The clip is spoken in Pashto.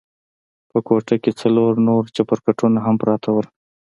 په کوټه کښې څلور نور چپرکټونه هم پراته وو.